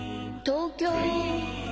東京！